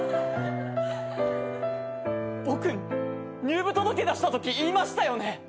僕入部届出したとき言いましたよね。